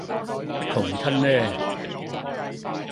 一窮親呢